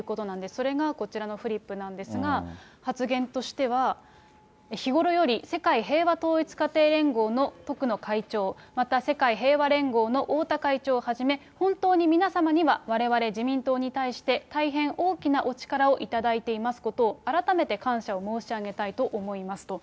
それがこちらのフリップなんですが、発言としては、日頃より世界平和統一家庭連合の徳野会長、また世界平和連合の太田会長はじめ、本当に皆様には、われわれ自民党に対して、大変大きなお力をいただいていますことを、改めて感謝を申し上げたいと思いますと。